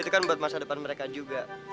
itu kan buat masa depan mereka juga